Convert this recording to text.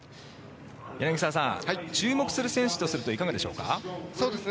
柳澤さん注目する選手としてはいかがでしょうか？